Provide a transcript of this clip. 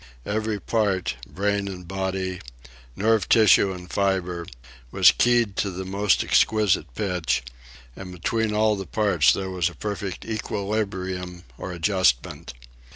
Every part, brain and body, nerve tissue and fibre, was keyed to the most exquisite pitch; and between all the parts there was a perfect equilibrium or adjustment.